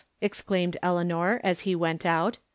exclaimed Eleanor, as he went out.